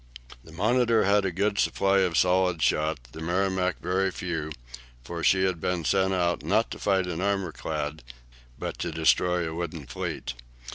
The "Monitor" had a good supply of solid shot; the "Merrimac" very few, for she had been sent out, not to fight an armour clad, but to destroy a wooden fleet.